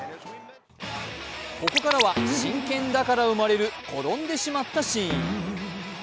ここからは、真剣だから生まれる転んでしまったシーン。